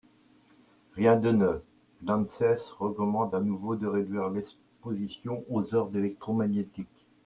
Rien de neuf, l’ANSES recommande à nouveau de réduire l’exposition aux ondes électromagnétiques.